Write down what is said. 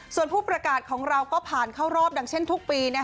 ส่วนผู้ประกาศของเราก็ผ่านเข้ารอบดังเช่นทุกปี